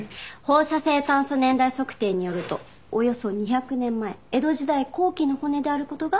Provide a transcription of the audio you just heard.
放射性炭素年代測定によるとおよそ２００年前江戸時代後期の骨である事がわかりました。